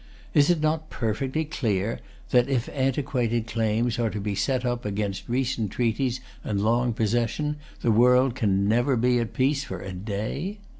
Is it not perfectly clear that, if antiquated claims are to be set up against recent treaties and long possession, the world can never be at peace for a day?